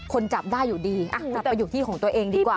จับได้อยู่ดีกลับไปอยู่ที่ของตัวเองดีกว่า